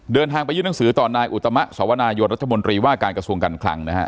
เดินทางไปยื่นหนังสือต่อนายอุตมะสวนายนรัฐมนตรีว่าการกระทรวงการคลังนะฮะ